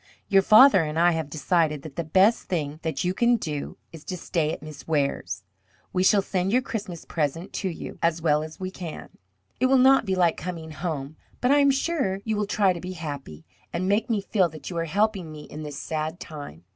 Your father and I have decided that the best thing that you can do is to stay at Miss Ware's. We shall send your Christmas present to you as well as we can. It will not be like coming home, but I am sure you will try to be happy, and make me feel that you are helping me in this sad time.